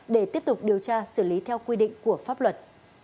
để tiếp tục điều tra xử lý theo quy định của pháp luật